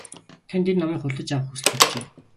Танд энэ номыг худалдаж авах хүсэл төржээ.